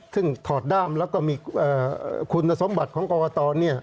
ซึ่งถอดด้ามแล้วก็มีคุณสมบัติของกรกต